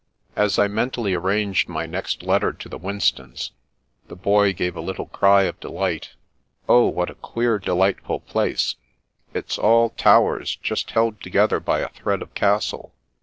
As I mentally arranged my next letter to the Winstons, the Boy gave a little cry of delight. " Oh, what a queer, delightful place 1 Afternoon Calls 151 It's all towers, just held together by a thread of castle.